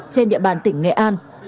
trên địa bàn tỉnh nghệ an